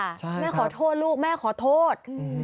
ใช่แม่ขอโทษลูกแม่ขอโทษ